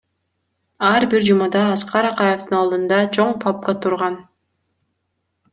Ар бир жумада Аскар Акаевдин алдында чоң папка турган.